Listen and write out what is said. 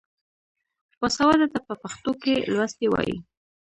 باسواده ته په پښتو کې لوستی وايي.